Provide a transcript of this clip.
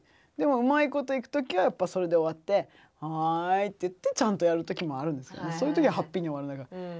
でもうまいこといく時はやっぱそれで終わって「はい」って言ってちゃんとやる時もあるんですけどそういう時はハッピーに終わるんだけど。